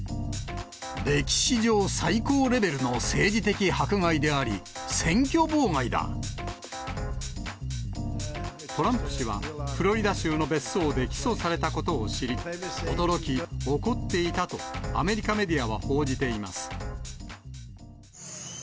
歴史上最高レベルの政治的迫トランプ氏は、フロリダ州の別荘で起訴されたことを知り、驚き、怒っていたと、アメリカメディアは報じています。